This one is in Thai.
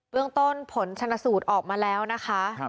เรื่องต้นผลชนสูตรออกมาแล้วนะคะ